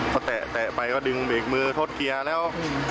พอแตะไปก็ดึงเบรกมือทดเกียร์แล้ว